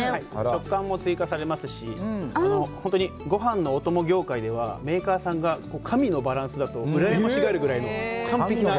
食感も追加されますし本当に、ご飯のお供業界ではメーカーさんが神のバランスだと羨ましがるくらいの完璧な。